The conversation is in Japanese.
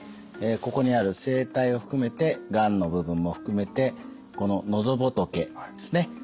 ここにある声帯を含めてがんの部分も含めてこの喉仏ですね